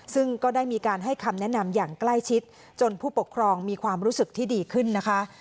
ซึ่งก็ได้มีการให้คำแนะนำอย่างใกล้ชิดจนผู้ปกครองมีความรู้สึกที่ดีขึ้นนะคะ